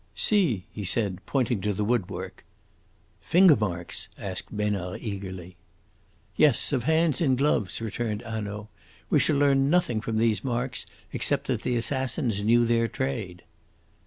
"See!" he said, pointing to the woodwork. "Finger marks!" asked Besnard eagerly. "Yes; of hands in gloves," returned Hanaud. "We shall learn nothing from these marks except that the assassins knew their trade."